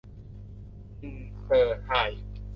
อินเตอร์ไฮด์